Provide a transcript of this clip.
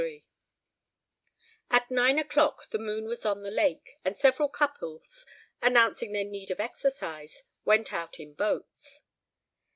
LIII At nine o'clock the moon was on the lake, and several couples, announcing their need of exercise, went out in boats.